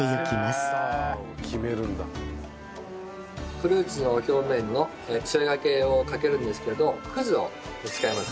フルーツの表面のツヤがけをかけるんですけどくずを使います。